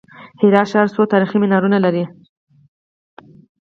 هرات ښار څو تاریخي منارونه لري؟